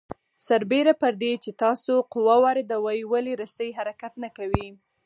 سربېره پر دې چې تاسو قوه واردوئ ولې رسۍ حرکت نه کوي؟